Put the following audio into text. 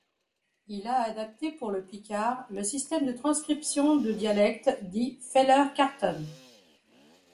Il a adapté pour le picard le système de transcription de dialecte dit Feller-Carton.